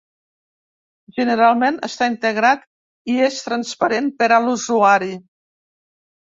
Generalment està integrat i és transparent per a l'usuari.